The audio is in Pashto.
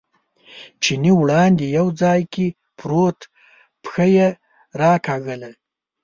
چیني وړاندې یو ځای کې پرېوت، پښه یې راکاږله.